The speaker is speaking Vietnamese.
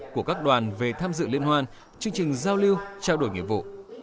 của các đoàn về tham dự liên hoan chương trình giao lưu trao đổi nghiệp vụ